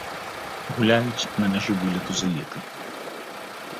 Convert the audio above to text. Гуляюць на мяжы вылету з эліты.